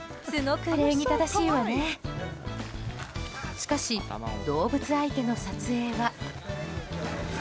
しかし、動物相手の撮影は。